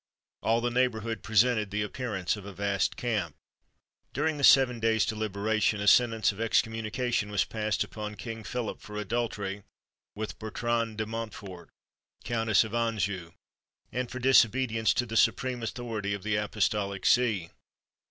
All the neighbourhood presented the appearance of a vast camp. [Illustration: THE CATHEDRAL OF CLERMONT.] During the seven days' deliberation, a sentence of excommunication was passed upon King Philip for adultery with Bertrade de Montfort, Countess of Anjou, and for disobedience to the supreme authority of the apostolic see.